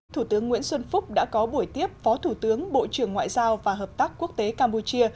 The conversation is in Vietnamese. thủ tướng nguyễn xuân phúc đã có buổi tiếp phó thủ tướng bộ trưởng ngoại giao và hợp tác quốc tế campuchia